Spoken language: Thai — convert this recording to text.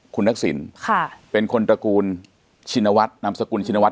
คุณนักศิลป์ค่ะเป็นคนตระกูลชินวัฒน์นามสกุลชินวัฒน์